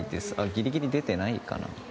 ギリギリ出てないかな。